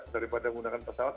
daripada menggunakan pesawat